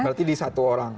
berarti di satu orang